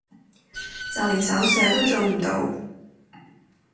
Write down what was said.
就連手寫都做唔到